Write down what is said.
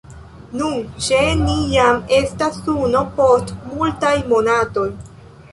Nun ĉe ni jam estas suno post multaj monatoj.